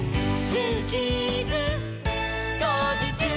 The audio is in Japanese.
「ジューキーズこうじちゅう！」